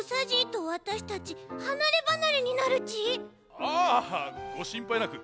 ああごしんぱいなく。